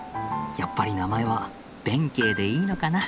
やっぱり名前はべんけいでいいのかな。